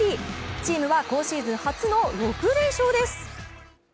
チームは今シーズン初の６連勝です。